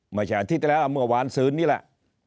ไม่ใช่อาทิตย์ที่แล้วแต่เมื่อหวานศืนนี่แหละ